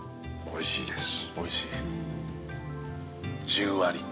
おいしいです。